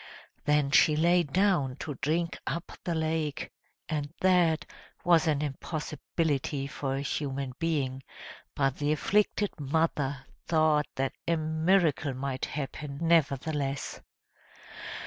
Then she lay down to drink up the lake, and that was an impossibility for a human being, but the afflicted mother thought that a miracle might happen nevertheless.